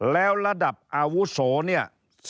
แล้วระดับอาวุโสเนี่ย